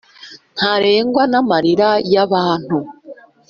ntarengwa n'amarira y'abantu!